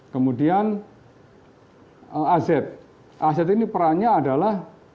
kemudian az az ini perannya adalah